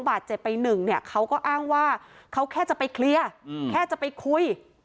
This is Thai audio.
วาดเจ็ดไป๑เขาก็อ้างว่าเขาแก้จะไปเคลียร์แก้จะไปคุย